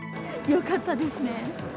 よかったですね。